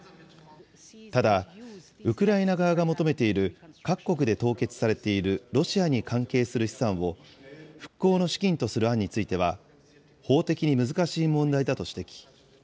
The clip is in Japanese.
ただ、ウクライナ側が求めている各国で凍結されているロシアに関係する資産を復興の資金とする案については、法的に難しい問題だと指摘。